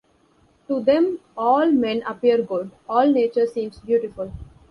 To them all men appear good, all nature seems beautiful.